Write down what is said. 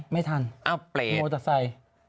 ไม่ทันโมทักไซค์